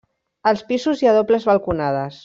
Als pisos hi ha dobles balconades.